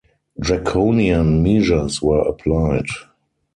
Draconian measures were applied.